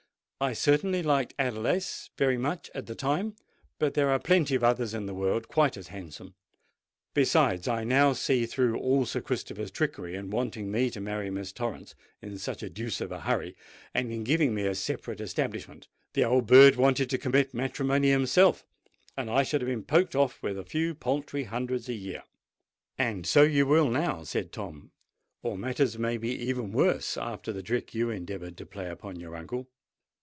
I certainly liked Adelais very much at the time; but there are plenty of others in the world quite as handsome. Besides, I now see through all Sir Christopher's trickery in wanting me to marry Miss Torrens in such a deuce of a hurry, and in giving me a separate establishment. The old bird wanted to commit matrimony himself; and I should have been poked off with a few paltry hundreds a year." "And so you will now," said Tom. "Or matters may be even worse, after the trick you endeavoured to play upon your uncle."